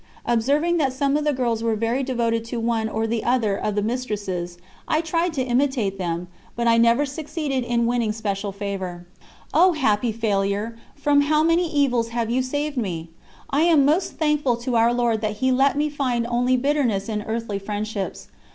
Observing that some of the girls were very devoted to one or other of the mistresses, I tried to imitate them, but I never succeeded in winning special favour. O happy failure, from how many evils have you saved me! I am most thankful to Our Lord that He let me find only bitterness in earthly friendships.